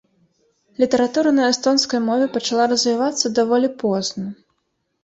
Літаратура на эстонскай мове пачала развівацца даволі позна.